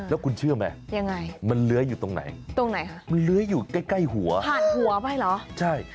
แล้วคุณเชื่อไหมยังไง